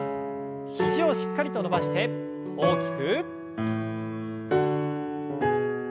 肘をしっかりと伸ばして大きく。